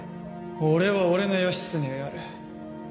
俺は俺の義経をやる。